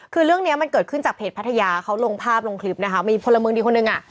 คือเรื่องเนี้ยมันเกิดขึ้นจากเพจพัทยาเขาลงภาพลงคลิปนะคะมีพลเมืองดีคนหนึ่งอ่ะ